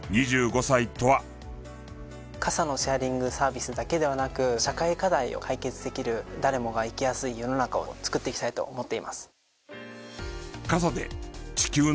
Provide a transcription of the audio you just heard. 傘のシェアリングサービスだけではなく社会課題を解決できる誰もが生きやすい世の中をつくっていきたいと思っています。